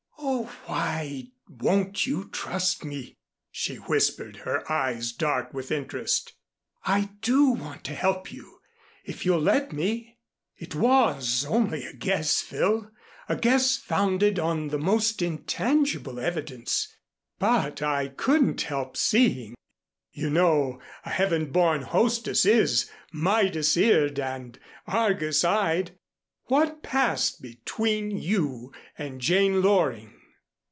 "Oh, why won't you trust me?" she whispered, her eyes dark with interest. "I do want to help you if you'll let me. It was only a guess, Phil, a guess founded on the most intangible evidence, but I couldn't help seeing (you know a heaven born hostess is Midas eared and Argus eyed) what passed between you and Jane Loring."